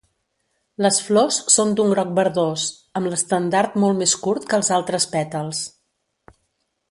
Les flors són d'un groc verdós, amb l'estendard molt més curt que els altres pètals.